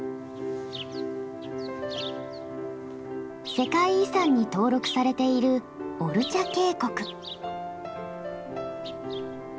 世界遺産に登録されているオルチャ渓谷。